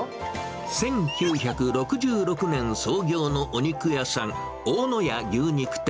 １９６６年創業のお肉屋さん、大野屋牛肉店。